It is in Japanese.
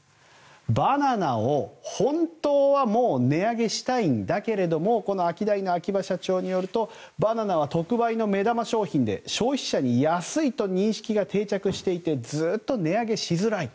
バナナを本当はもう値上げしたいんだけれどもアキダイの秋葉社長によるとバナナは特売の目玉商品で消費者に安いと認識が定着していてずっと値上げしづらい。